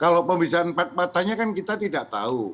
kalau pembicaraan empat empatannya kan kita tidak tahu